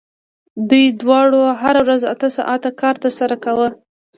دوی دواړو هره ورځ اته ساعته کار ترسره کاوه